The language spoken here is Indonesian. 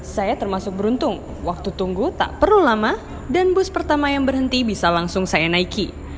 saya termasuk beruntung waktu tunggu tak perlu lama dan bus pertama yang berhenti bisa langsung saya naiki